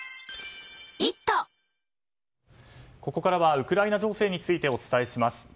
ここからはウクライナ情勢についてお伝えします。